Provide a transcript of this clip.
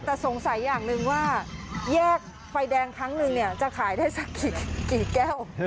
แต่สงสัยอย่างหนึ่งว่าแยกไฟแดงครั้งนึงเนี่ยจะขายได้สักกี่แก้ว